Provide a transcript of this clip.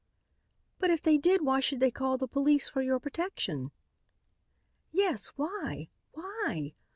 "But if they did, why should they call the police for your protection?" "Yes, why? Why?